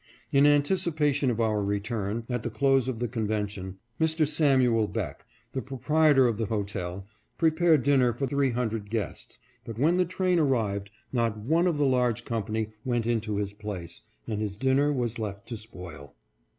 In anticipation of our return, at the close of the con vention, Mr. Sam. Beck, the proprietor of the hotel, prepared dinner for three hundred guests, but when the train arrived not one of the large company went into his place, and his dinner was left to spoil.